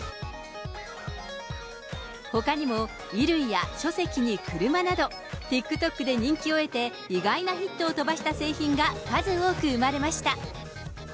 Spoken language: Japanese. ほかにも、衣類や書籍に車など、ＴｉｋＴｏｋで人気を得て、意外なヒットを飛ばした製品が数多く生まれました。